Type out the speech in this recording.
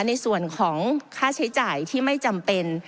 ในส่วนของค่าใช้จ่ายที่ไม่จำเป็น